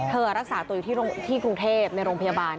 เธอรักษาตัวอยู่ที่กรุงเทพฯนะครับในโรงพยาบาล